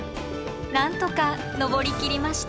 なんとか上りきりました。